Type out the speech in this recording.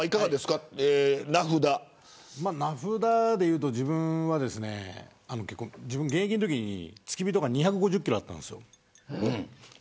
名札でいうと自分は現役のときに付き人が２５０キロあったんです。